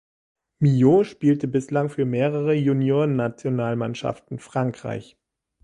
Millot spielte bislang für mehrere Juniorennationalmannschaften Frankreich.